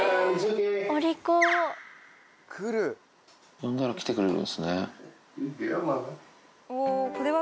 呼んだら来てくれるんですね。